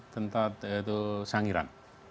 tentat itu sangiran